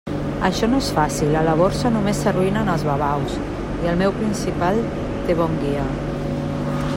Això no és fàcil; a la Borsa només s'arruïnen els babaus, i el meu principal té bon guia.